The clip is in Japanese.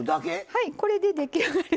はいこれで出来上がり。